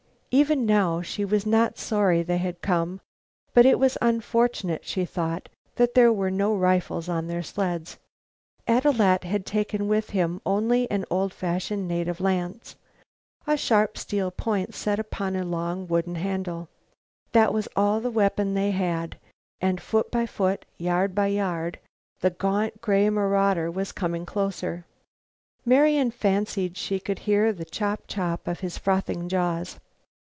Even now she was not sorry they had come, but it was unfortunate, she thought, that there were no rifles on their sleds. Ad loo at had taken with him only an old fashioned native lance, a sharp steel point set upon a long wooden handle. That was all the weapon they had and, foot by foot, yard by yard, the gaunt, gray marauder was coming closer. Marian fancied she could hear the chop chop of his frothing jaws.